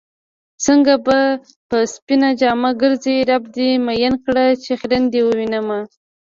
څنګه په سپينه جامه ګرځې رب دې مئين کړه چې خيرن دې ووينمه